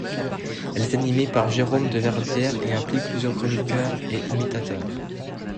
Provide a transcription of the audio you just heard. Elle est animée par Jérôme de Verdière, et implique plusieurs chroniqueurs et imitateurs.